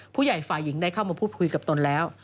ฝ่ายหญิงได้เข้ามาพูดคุยกับตนแล้ว